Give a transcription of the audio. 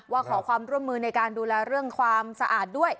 ขอความร่วมมือในการดูแลเรื่องความสะอาดด้วย